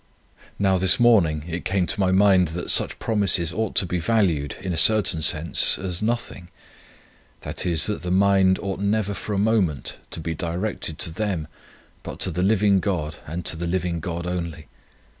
Now this morning it came to my mind, that such promises ought to be valued, in a certain sense, as nothing, i. e., that the mind ought never for a moment to be directed to them, but to the living God, and to the living God only.